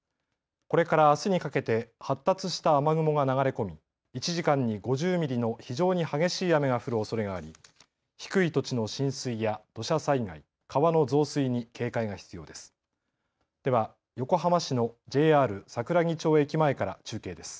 これからあすにかけて発達した雨雲が流れ込み１時間に５０ミリの非常に激しい雨が降るおそれがあり低い土地の浸水や土砂災害、川の増水に警戒が必要です。